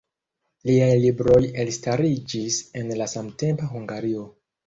Liaj libroj elstariĝis en la samtempa Hungario.